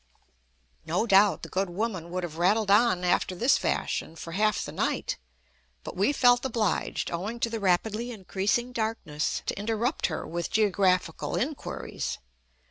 No doubt the good woman would have rattled on after this fashion for half the night, but we felt obliged, owing to the rapidly increasing darkness, to interrupt her with geographical inquiries.